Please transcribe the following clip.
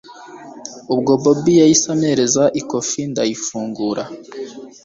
ubwo bobi yahise ampereza ikofi ndayifungura